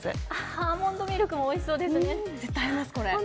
アーモンドミルクもおいしそうですね絶対合います、これ。